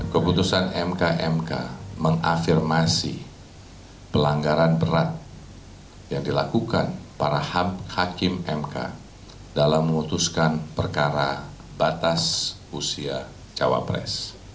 keputusan mk mk mengafirmasi pelanggaran berat yang dilakukan para hakim mk dalam memutuskan perkara batas usia cawapres